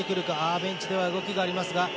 ベンチでは動きがあります。